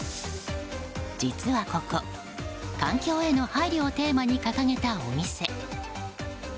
実はここ、環境への配慮をテーマに掲げたお店。